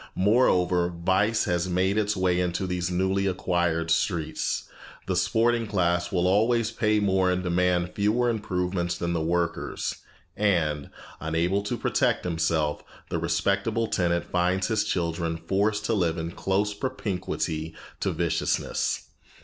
Moreover, vice has made its way into these newly acquired streets. The sporting class will always pay more and demand fewer improvements than the workers, and, unable to protect himself, the respectable tenant finds his children forced to live in close propinquity to viciousness.